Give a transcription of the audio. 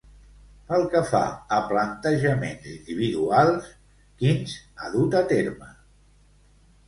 Pel que fa a plantejaments individuals, quins ha dut a terme?